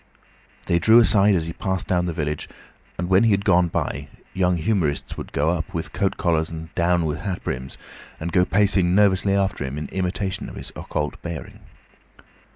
They drew aside as he passed down the village, and when he had gone by, young humourists would up with coat collars and down with hat brims, and go pacing nervously after him in imitation of his occult bearing.